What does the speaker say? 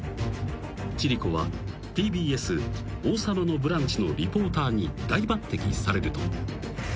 ［千里子はＴＢＳ『王様のブランチ』のリポーターに大抜てきされると］